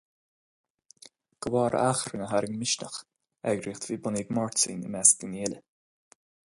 De bharr achrainn a tharraing Misneach, eagraíocht a bhí bunaithe ag Máirtín i measc daoine eile.